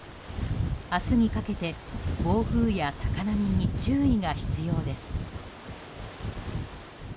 明日にかけて暴風や高波に注意が必要です。